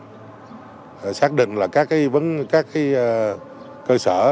phường xác định là các cơ sở